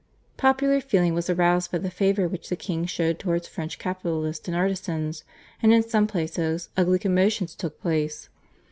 Popular feeling was aroused by the favour which the king showed towards French capitalists and artisans, and in some places ugly commotions took place.